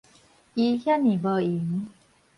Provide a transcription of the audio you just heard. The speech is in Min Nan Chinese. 伊遐爾無閒